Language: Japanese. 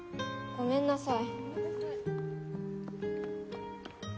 ごめんなさい。